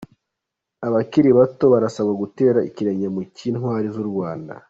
Abakiri bato barasabwa gutera ikirenge mu cy’intwari z’u Rwanda